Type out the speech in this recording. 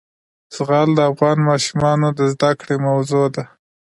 زغال د افغان ماشومانو د زده کړې موضوع ده.